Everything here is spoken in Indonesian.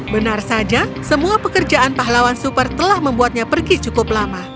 benar saja semua pekerjaan pahlawan super telah membuatnya pergi cukup lama